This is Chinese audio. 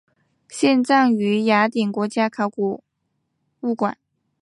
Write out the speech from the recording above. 现藏于雅典国家考古博物馆。